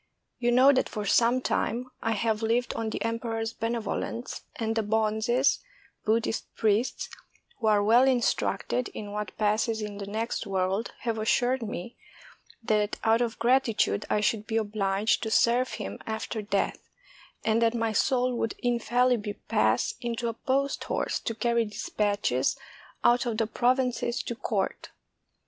You know that for some time I have lived on the emperor's benevolence, and the bonzes [Buddhist priests], who are well instructed in what passes in the next world, have assured me that out of gratitude I should be obliged to serve him after death, and that my soul would infallibly pass into a post horse to carry dispatches out of the provinces to court.